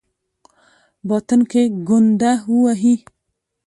باطن کې ګونډه ووهي.